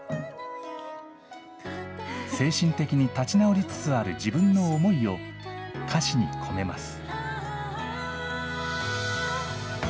精神的に立ち直りつつある自分の思いを、歌詞に込めます。